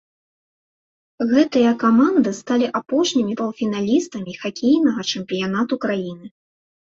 Гэтыя каманды сталі апошнімі паўфіналістамі хакейнага чэмпіянату краіны.